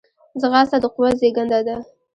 ځغاسته د قوت زیږنده ده